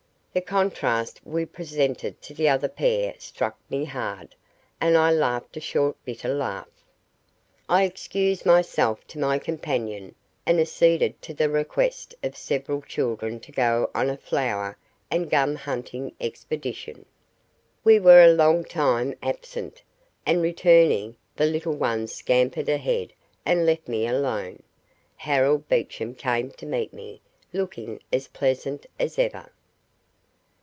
The contrast we presented to the other pair struck me hard, and I laughed a short bitter laugh. I excused myself to my companion, and acceded to the request of several children to go on a flower and gum hunting expedition. We were a long time absent, and returning, the little ones scampered ahead and left me alone. Harold Beecham came to meet me, looking as pleasant as ever.